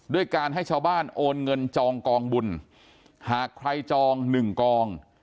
ด้วยการให้ชาวบ้านโอนเงินจองกองบุญหากใครจองหนึ่งกอง